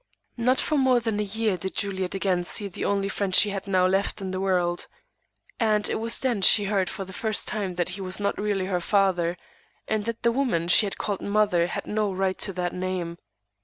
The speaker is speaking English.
Not for more than a year did Juliet see again the only friend she had now left in the world; and it was then she heard for the first time that he was not really her father, and that the woman she had called "Mother" had had no right to that name.